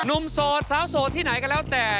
โสดสาวโสดที่ไหนก็แล้วแต่